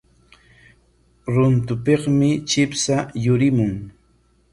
Runtupikmi chipsha yurimun.